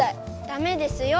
ダメですよ！